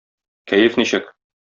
Кәеф ничек?